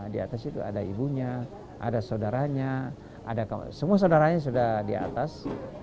di atas itu ada ibunya ada saudaranya ada semua saudaranya sudah di atas